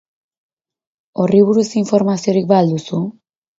Horri buruz informaziorik ba al duzu?